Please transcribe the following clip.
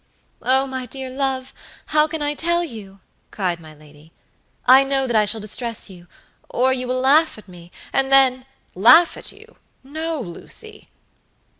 "Oh, my dear love, how can I tell you?" cried my lady. "I know that I shall distress youor you will laugh at me, and then" "Laugh at you? no, Lucy."